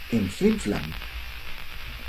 En "Flim-Flam!